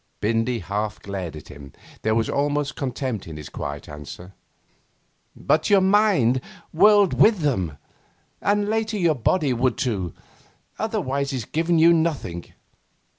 Bindy half glared at him. There was almost contempt in his quiet answer: 'But your mind whirled with them. And later your body would too; otherwise it's given you nothing.